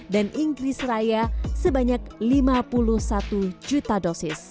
dan inggris raya sebanyak lima puluh satu juta dosis